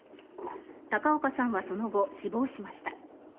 高岡さんはその後、死亡しました。